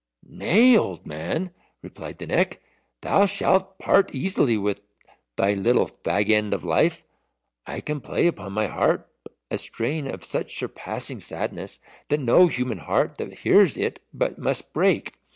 "Nay, old man," replied the Neck, "thou shalt part easily with thy little fag end of life. I can play upon my harp a strain of such surpassing sadness that no human heart that hears it but must break.